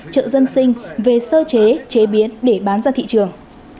chợ dân sinh về sơ chế chế biến để bán ra thị trường